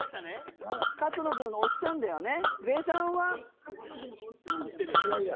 勝野君、押したんだよね。